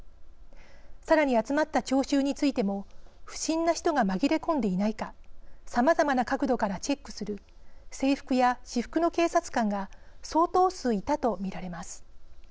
さらに集まった聴衆についても不審な人が紛れ込んでいないかさまざまな角度からチェックする制服や私服の警察官が相当数いたと見られます。